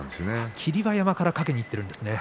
霧馬山からかけにいっているんですね。